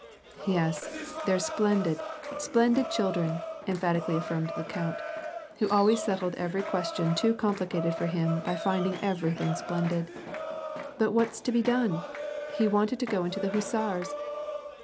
" "Yes, they're splendid, splendid children," emphatically affirmed the count, who always settled every question too complicated for him by finding everything splendid. "But what's to be done ! He wantid to go into the hussars!